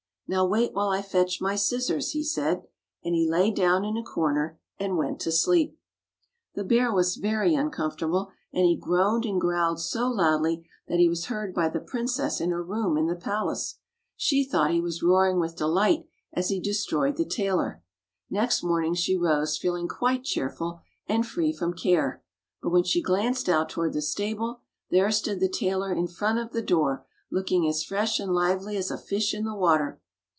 "Now wait while I fetch my scissors," he said, and he lay down in a corner and went to sleep. 183 Fairy Tale Bears The bear was very uncomfortable, and he groaned and growled so loudly that he was heard by the princess in her room in the pal ace. She thought he was roaring with delight as he destroyed the tailor. Next morning she rose feeling quite cheerful and free from care, but when she glanced out toward the stable there stood the tailor in front of the door looking as fresh and lively as a fish in the water.